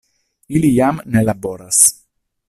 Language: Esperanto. Ili jam ne laboras.